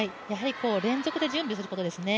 連続で準備することですね。